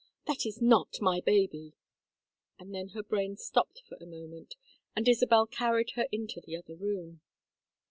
That is not my baby." And then her brain stopped for a moment, and Isabel carried her into the other room.